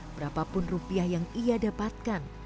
berapapun rupiah yang ia dapatkan